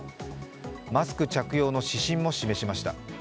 マスク着用の指針も示しました。